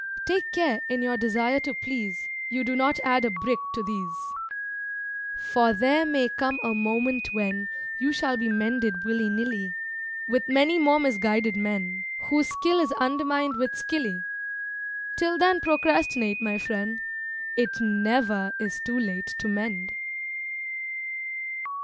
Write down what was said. Take care, in your desire to please, You do not add a brick to these. For there may come a moment when You shall be mended willy nilly, With many more misguided men, Whose skill is undermined with skilly. Till then procrastinate, my friend; "It Never is Too Late to Mend!"